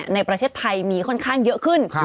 ในประเทศไทยมีค่อนข้างเยอะขึ้น